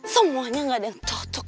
semuanya gak ada yang cocok